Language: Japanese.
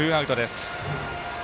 ツーアウトです。